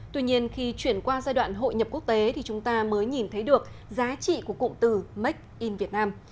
tuy nhiên khi chuyển qua giai đoạn hội nhập quốc tế thì chúng ta mới nhìn thấy được giá trị của cụm từ make in việt nam